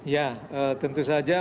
ya tentu saja